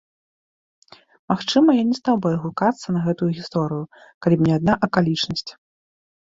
Магчыма, я не стаў бы адгукацца на гэтую гісторыю, калі б не адна акалічнасць.